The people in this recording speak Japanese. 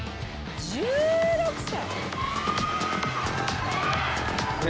１６歳！？